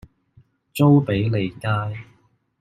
租庇利街